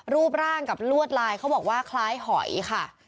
รูปร่างกับลวดลายเขาบอกว่าคล้ายหอยค่ะ